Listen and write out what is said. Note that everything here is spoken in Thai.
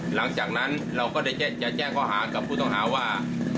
หลังจากนั้นเราก็ได้จะแจ้งข้อหากับผู้ต้องหาว่า